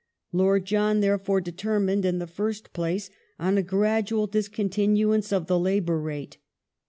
Lord John therefore determined, in the first place, on a gradual discontinuance of the labour rate.